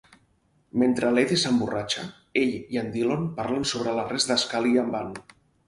Mentre l'Eddie s'emborratxa, ell i en Dillon parlen sobre l'arrest de Scalise i Van.